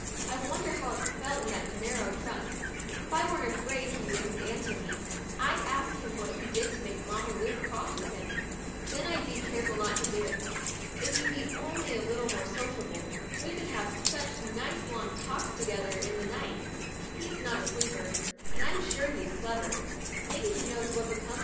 I wonder how it felt in that narrow trunk. If I weren't afraid he wouldn't answer me, I'd ask him what he did to make Mamma Lu cross with him; then I'd be careful not to do it. If he'd only be a little more sociable, we could have such nice long talks to (J gether in the night; \i he's not a 50 WEDNESDAY— I GET A NEW DRESS sleeper, and I'm sure he's clever.